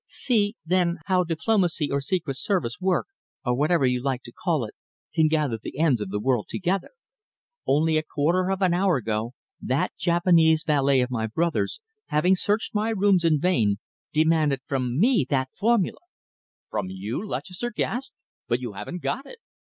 "See, then, how diplomacy or secret service work, or whatever you like to call it, can gather the ends of the world together! Only a quarter of an hour ago that Japanese valet of my brother's, having searched my rooms in vain, demanded from me that formula!" "From you?" Lutchester gasped. "But you haven't got it!"